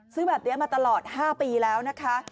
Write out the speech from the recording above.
ซื้อแบบนี้มาตลอด๕ปีแล้วนะคะ